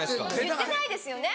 言ってないですよね